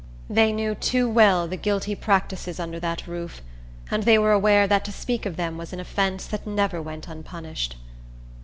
They knew too well the guilty practices under that roof; and they were aware that to speak of them was an offence that never went unpunished.